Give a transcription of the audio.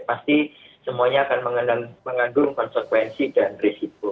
pasti semuanya akan mengandung konsekuensi dan risiko